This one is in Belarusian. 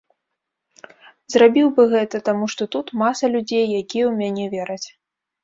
Зрабіў бы гэта, таму што тут маса людзей, якія ў мяне вераць.